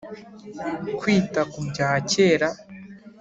Kwita ku bya kera